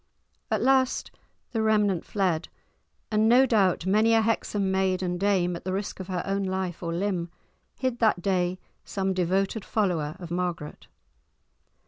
At last the remnant fled, and no doubt many a Hexham maid and dame, at the risk of her own life or limb, hid that day some devoted follower of Margaret.